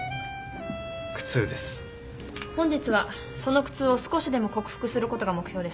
本日はその苦痛を少しでも克服することが目標です。